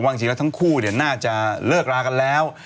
จริงแล้วทั้งคู่น่าจะเลิกรากันแล้ว